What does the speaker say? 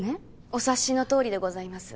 お察しのとおりでございます。